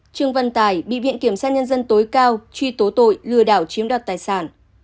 trương văn tài bị viện kiểm sát nhân dân tối cao truy tố tội lừa đảo chiếm đoạt tài sản